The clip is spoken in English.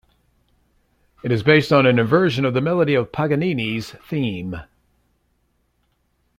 It is based on an inversion of the melody of Paganini's theme.